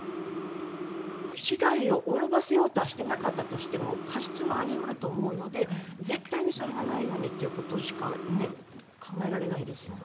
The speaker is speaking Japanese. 被害を及ばせようとはしていなかったとしても過失はあり得ると思うので絶対にそれがないようにということしか考えられないですよね。